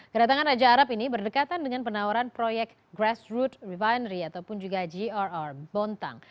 kedatangan raja arab ini berdekatan dengan penawaran proyek grassroot refinery ataupun juga grr bontang